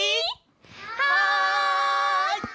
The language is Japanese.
はい！